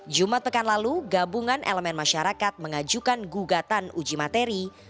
jumat pekan lalu gabungan elemen masyarakat mengajukan gugatan uji materi